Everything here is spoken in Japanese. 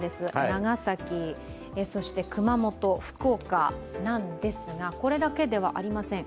長崎、熊本、福岡なんですがこれだけではありません。